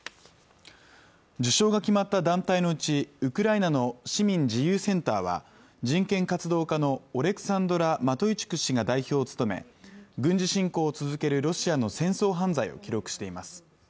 受賞が決まった団体のうち、ウクライナの市民自由センターは人権活動家のオレクサンドラ・マトイチュク氏が代表を務め軍事侵攻を続けるロシアの戦争犯罪を記録しています。